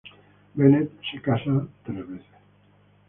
Bennett se casó tres veces.